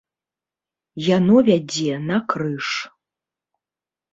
Яно вядзе на крыж.